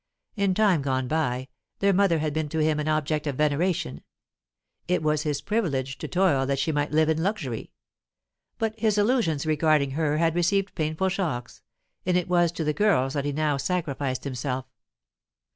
In time gone by, their mother had been to him an object of veneration; it was his privilege to toil that she might live in luxury; but his illusions regarding her had received painful shocks, and it was to the girls that he now sacrificed himself.